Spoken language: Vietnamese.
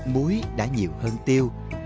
muối đã nhiều hơn tiêu